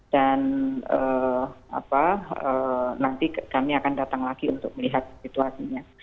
dan nanti kami akan datang lagi untuk melihat situasinya